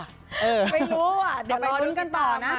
เออไม่รู้อ่ะเดี๋ยวรอดูตรงกันต่อนะ